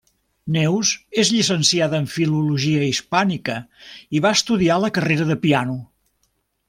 Neus és llicenciada en Filologia Hispànica i va estudiar la carrera de piano.